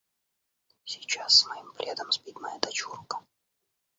Сейчас с моим пледом спит моя дочурка.